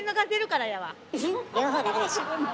両方出るでしょ。